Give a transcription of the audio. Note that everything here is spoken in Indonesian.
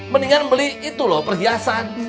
mendingan beli itu loh perhiasan